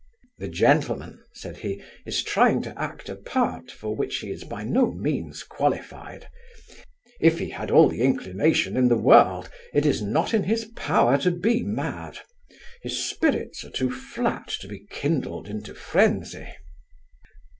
'The gentleman (said he) is trying to act a part for which he is by no means qualified if he had all the inclination in the world, it is not in his power to be mad. His spirits are too flat to be kindled into frenzy.